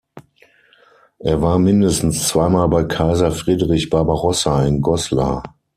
Er war mindestens zweimal bei Kaiser Friedrich Barbarossa in Goslar.